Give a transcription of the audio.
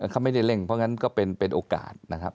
เขาไม่ได้เร่งเพราะงั้นก็เป็นโอกาสนะครับ